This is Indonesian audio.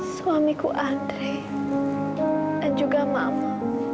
suamiku andre dan juga mama